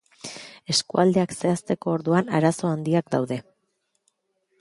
Eskualdeak zehazteko orduan arazo handiak daude.